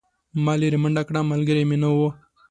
ما لیرې منډه کړه ملګری مې نه و.